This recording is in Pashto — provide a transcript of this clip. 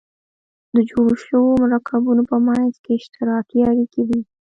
د جوړو شوو مرکبونو په منځ کې اشتراکي اړیکې وي.